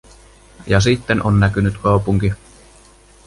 Ja sitten on näkynyt kaupunki.